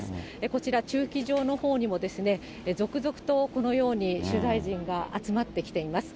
こちら、駐機場のほうにも続々とこのように、取材陣が集まってきています。